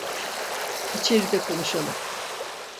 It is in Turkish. İçeride konuşalım.